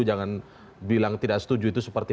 jangan bilang tidak setuju itu seperti